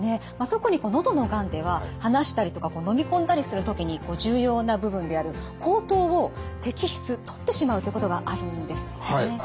特に喉のがんでは話したりとか飲み込んだりする時に重要な部分である喉頭を摘出取ってしまうということがあるんですよね。